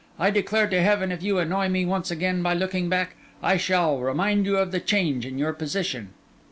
I declare to Heaven, if you annoy me once again by looking back, I shall remind you of the change in your position.